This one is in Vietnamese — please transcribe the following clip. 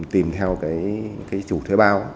tìm theo cái chủ thuế bao